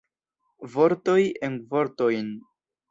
Vortoj en vortojn.